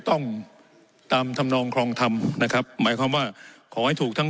ต้องตามธรรมนองคลองธรรมนะครับหมายความว่าขอให้ถูกทั้ง